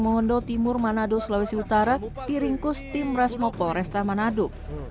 moondo timur manado sulawesi utara diringkus tim rasmo polresta manado